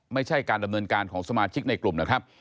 ไม่ใช่การดำเนินการของสมาชิกในกลุ่มนะครับ